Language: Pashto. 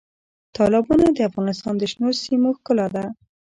تالابونه د افغانستان د شنو سیمو ښکلا ده.